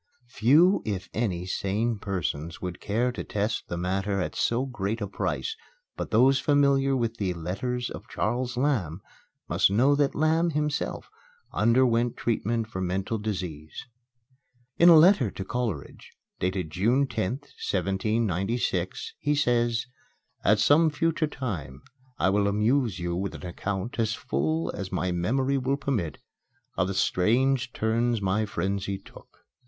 Few, if any, sane persons would care to test the matter at so great a price; but those familiar with the "Letters of Charles Lamb" must know that Lamb, himself, underwent treatment for mental disease. In a letter to Coleridge, dated June 10th, 1796, he says: "At some future time I will amuse you with an account, as full as my memory will permit, of the strange turns my frenzy took.